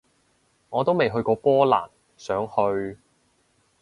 我都未去過波蘭，想去